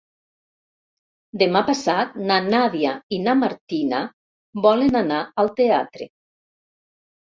Demà passat na Nàdia i na Martina volen anar al teatre.